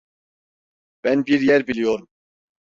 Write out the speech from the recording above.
Ben bir yer biliyorum.